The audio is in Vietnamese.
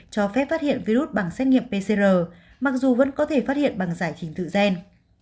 cho phép phát hiện virus bằng xét nghiệm pcr mặc dù vẫn có thể phát hiện bằng giải trình tự gen